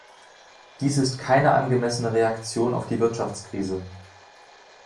Dies ist keine angemessene Reaktion auf die Wirtschaftskrise.